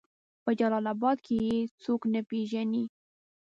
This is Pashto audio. په جلال آباد کې يې څوک نه پېژني